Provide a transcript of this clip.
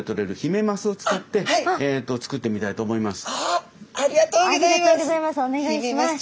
ありがとうございます。